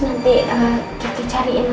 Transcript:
nanti kiki cariin lagi